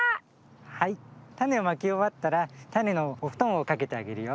はいたねをまきおわったらたねのおふとんをかけてあげるよ。